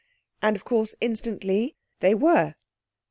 And, of course, instantly they were.